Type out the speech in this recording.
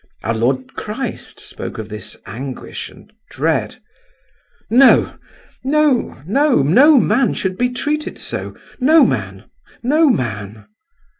Our Lord Christ spoke of this anguish and dread. No! no! no! No man should be treated so, no man, no man!"